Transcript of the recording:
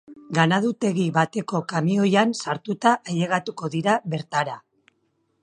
Ganadutegi bateko kamioian sartuta ailegatuko dira bertara.